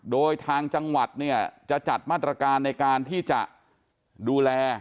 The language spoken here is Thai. โดยทางจังหวัดเนี่ยจะจัดมาตรการในการที่จะดูแล